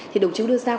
thì đồng chíu đưa ra